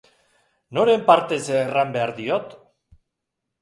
Noren partez erran behar diot?